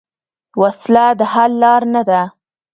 وسله د حل لار نه ده